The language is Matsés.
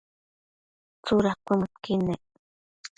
tsuda cuëmëdqui nec?